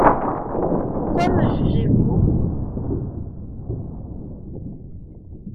Pourquoi me jugez-vous?